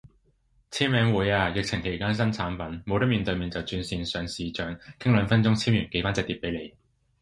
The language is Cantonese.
簽名會啊，疫情期間新產物，冇得面對面就轉線上視象，傾兩分鐘簽完寄返隻碟俾你